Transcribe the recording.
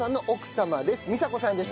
美佐子さんです。